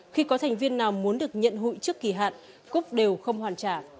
khi có thành viên nào muốn được nhận hụi trước kỳ hạn cúc đều không hoàn trả